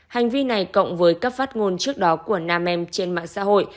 hành vi này cộng với các phát ngôn trước đó của nam em trên mạng xã hội